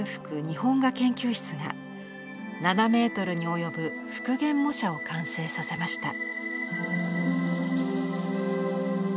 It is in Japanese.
日本画研究室が７メートルに及ぶ復元模写を完成させました。